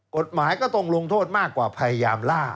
กฎหมายก็ต้องลงโทษมากกว่าพยายามล่า